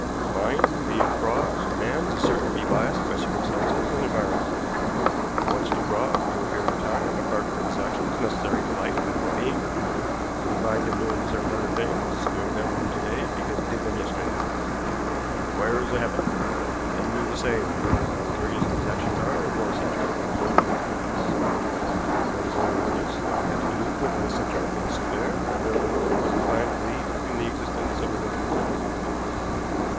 The mind, be it frog's or man's, is certain to be biased by circumstances and environment. If you watched a frog through a period of time, apart from his actions necessary to life and well being, you would find him doing certain other things, doing them to day because he did them yesterday. He acquires a habit. Men do the same. The more curious these actions are, the more eccentric the individual becomes. You remember Zena warned us that we had to do with an eccentric in this affair, and therefore was inclined to believe in the existence of a will."